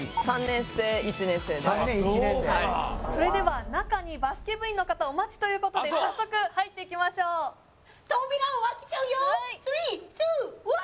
３年生１年生でそれでは中にバスケ部員の方お待ちということで早速入っていきましょう扉を開けちゃうよスリートゥーワン！